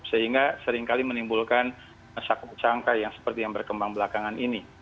sehingga seringkali menimbulkan sangka yang seperti yang berkembang belakangan ini